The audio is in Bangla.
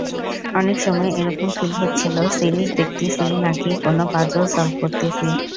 অনেক সময় এরকম ফিল হচ্ছিলো সিরিজ দেখতেছি নাকি কোনো পাজল সলভ করতেছি।